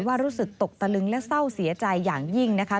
รู้สึกตกตะลึงและเศร้าเสียใจอย่างยิ่งนะคะ